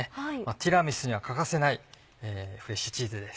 ティラミスには欠かせないフレッシュチーズです。